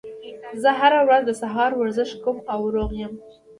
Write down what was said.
زه هره ورځ د سهار ورزش کوم او روغ یم